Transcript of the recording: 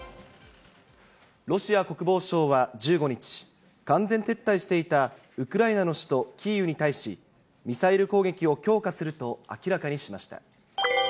ロシア国防省は１５日、完全撤退していたウクライナの首都キーウに対し、ミサイル攻撃を強化すると明らかにしました。